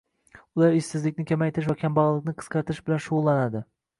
Ular ishsizlikni kamaytirish va kambag‘allikni qisqartirish bilan shug‘ullanadi